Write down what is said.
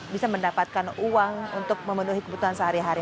bisa mendapatkan uang untuk memenuhi kebutuhan sehari hari